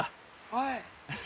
はい。